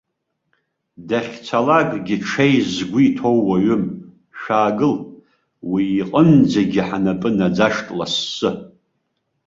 Дахьцалакгьы ҽеи згәы иҭоу уаҩым, шәаагыл, уи иҟынӡагьы ҳнапы наӡашт лассы!